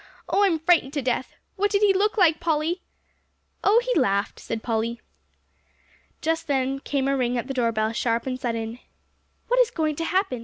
Oh, I'm frightened to death! What did he look like, Polly?" "Oh, he laughed," said Polly. Just then came a ring at the doorbell, sharp and sudden. "What is going to happen?"